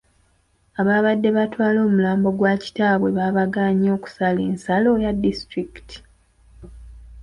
Ababadde batwala omulambo gwa kitaabwe babagaanyi okusala ensalo ya disitulikiti.